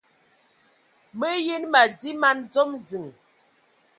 Mayi nə madi man dzom ziŋ.